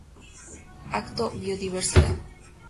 Acto Biodiversidad.